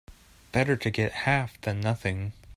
Better to get half than nothing.